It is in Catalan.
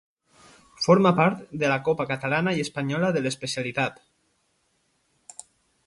Forma part de la copa catalana i espanyola de l'especialitat.